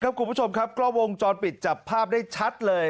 คุณผู้ชมครับกล้องวงจรปิดจับภาพได้ชัดเลย